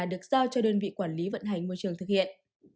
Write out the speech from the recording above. được giao cho đơn vị quản lý vận hành môi trường thực hiện